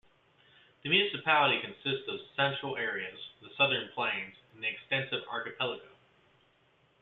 The municipality consists of the central areas, the southern plain, and the extensive archipelago.